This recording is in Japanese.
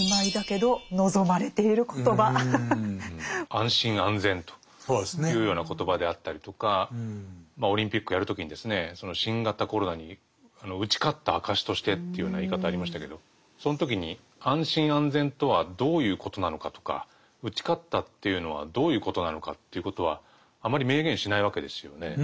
「安心・安全」というような言葉であったりとかオリンピックやる時に「新型コロナに打ち勝った証として」というような言い方ありましたけどその時に安心・安全とはどういうことなのかとか打ち勝ったというのはどういうことなのかということはあまり明言しないわけですよね。